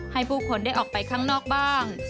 ผู้คนได้ออกไปข้างนอกบ้าง